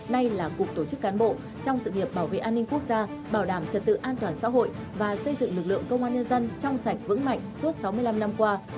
nay là cục tổ chức cán bộ trong sự nghiệp bảo vệ an ninh quốc gia bảo đảm trật tự an toàn xã hội và xây dựng lực lượng công an nhân dân trong sạch vững mạnh suốt sáu mươi năm năm qua